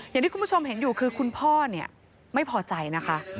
อย่างที่คุณผู้ชมเห็นอยู่คือคุณพ่อไม่พอใจนะคะ